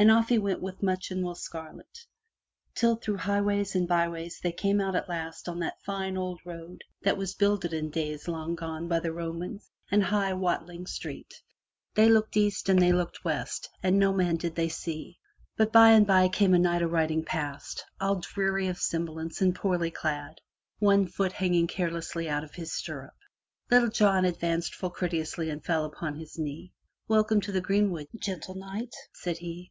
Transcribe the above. And off he went with Much and Will Scarlet, till through highways and byways they came out at last on that fine old road that was builded in days long gone by the Romans and hight Watling Street. They looked east, they looked west and no man did they see, but by and by came a knight a riding past, all dreary of semblance and poorly clad, one foot hanging care lessly out of his stirrup. Little John advanced full courteously and fell upon his knee. "Welcome to the greenwood, gentle Knight," said he.